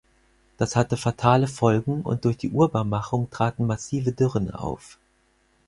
Das hatte fatale Folgen und durch die Urbarmachung traten massive Dürren auf.